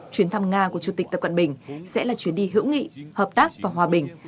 chuyến thăm nga của chủ tịch tập cận bình sẽ là chuyến đi hữu nghị hợp tác và hòa bình